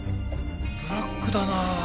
ブラックだな。